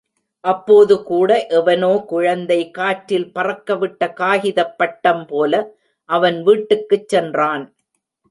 அப்போதுகூட, எவனோ குழந்தை காற்றில் பறக்கவிட்ட காகிதப் பட்டம்போல அவன் வீட்டுக்குச் சென்றான்.